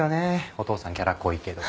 お父さんキャラ濃いけど。